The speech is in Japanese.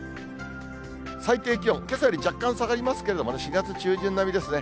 最低気温、けさより若干下がりますけれどもね、４月中旬並みですね。